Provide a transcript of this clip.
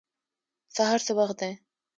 سهار څه وخت دی؟